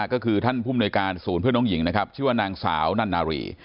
ก็คือท่านผู้มนวยการศูนย์เพื่อนน้องหญิงนะครับชื่อว่านางสาวนั่นนารี